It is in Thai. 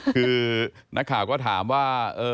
คือนักข่าวก็ถามว่า